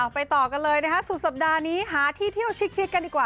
ไปต่อกันเลยนะคะสุดสัปดาห์นี้หาที่เที่ยวชิดกันดีกว่า